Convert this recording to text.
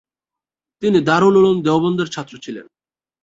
তিনি দারুল উলুম দেওবন্দের ছাত্র ছিলেন।